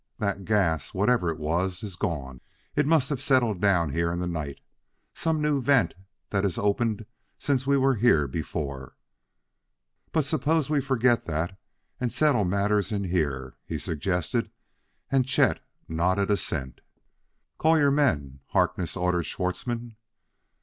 "That gas whatever it was is gone; it must have settled down here in the night. Some new vent that has opened since we were here before. "But suppose we forget that and settle matters in here," he suggested; and Chet nodded assent. "Call your men!" Harkness ordered Schwartzmann.